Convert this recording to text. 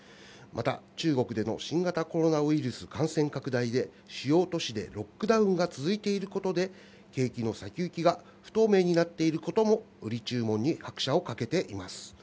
また中国での新型コロナウイルス感染拡大で主要都市でロックダウンが続いていることで景気の先行きが不透明になっていることも売り注文に拍車をかけています。